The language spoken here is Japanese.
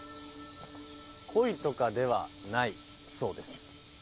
恋とかではないそうです。